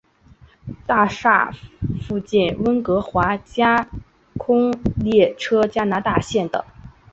大厦邻近温哥华架空列车加拿大线的。